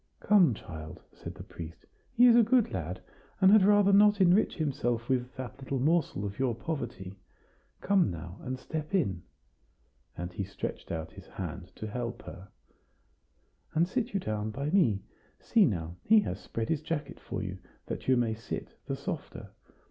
"Come, child," said the priest; "he is a good lad, and had rather not enrich himself with that little morsel of your poverty. Come now, and step in," and he stretched out his hand to help her, "and sit you down by me. See, now, he has spread his jacket for you, that you may sit the softer.